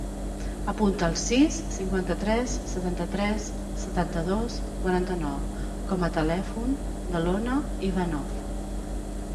Apunta el sis, cinquanta-tres, setanta-tres, setanta-dos, quaranta-nou com a telèfon de l'Ona Ivanov.